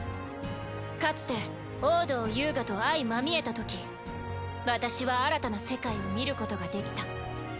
かつて王道遊我と相見えたとき私は新たな世界を見ることができた。